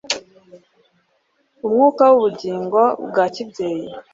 Umwuka w'ubugingo bwa kibyeyi